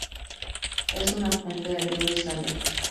Es un afluente del río Besaya.